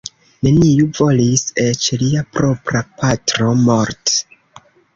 Neniu volis; eĉ lia propra patro Mort.